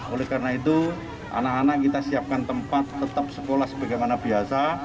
oleh karena itu anak anak kita siapkan tempat tetap sekolah sebagaimana biasa